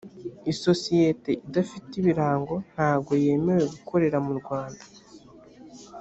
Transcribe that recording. isosiyete idafite ibirango ntago yemewe gukorera mu rwanda